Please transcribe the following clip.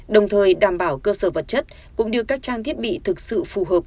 đồng thời đảm bảo cơ sở vật chất cũng như các trang thiết bị thực sự phù hợp